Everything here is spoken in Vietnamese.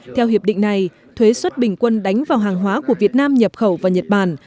theo hiệp định này thuế xuất bình quân đánh vào hàng hóa của việt nam nhập khẩu vào nhật bản